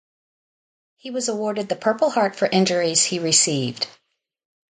He was awarded the Purple Heart for injuries he received.